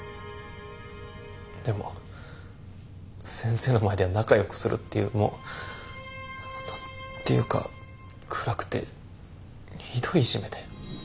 でも先生の前では仲良くするっていうもう何ていうか暗くてひどいいじめで。